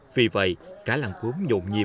vì vậy cả làng gốm nhộn nhiên